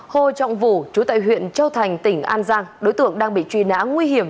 hồ trọng vũ chú tại huyện châu thành tỉnh an giang đối tượng đang bị truy nã nguy hiểm